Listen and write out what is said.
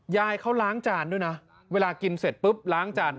ยายเขาล้างจานด้วยนะเวลากินเสร็จปุ๊บล้างจาน